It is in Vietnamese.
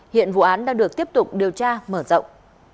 hiện vụ án đang được tiếp tục điều tra mở rộng